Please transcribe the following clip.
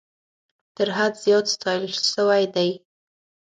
تر حد زیات ستایل سوي دي.